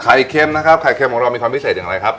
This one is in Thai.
เค็มนะครับไข่เค็มของเรามีความพิเศษอย่างไรครับ